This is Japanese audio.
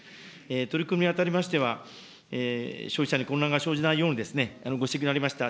取り組みにあたりましては、消費者に混乱が生じないようにご指摘のありました